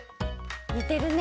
にてるね。